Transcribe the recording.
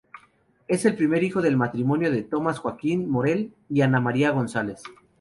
Es el primer hijo del matrimonio de Tomás Joaquín Morell y Ana María González.